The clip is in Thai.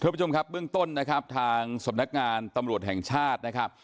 ผู้ชมครับเบื้องต้นนะครับทางสำนักงานตำรวจแห่งชาตินะครับ